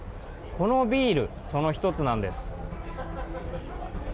このビール、その１つなんです。